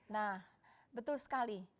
nah betul sekali